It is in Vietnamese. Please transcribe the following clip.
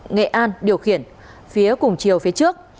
nghệ an điều khiển phía cùng chiều phía trước